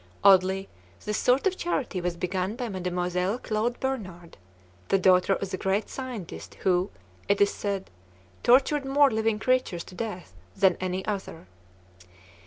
Oddly, this sort of charity was begun by Mademoiselle Claude Bernard, the daughter of the great scientist who, it is said, tortured more living creatures to death than any other.